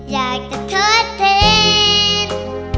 อยากจะเทิดเทน